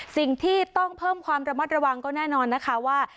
สิ่งที่ต้องเพิ่มความระมัดระวังก็แน่นอนนะคะว่า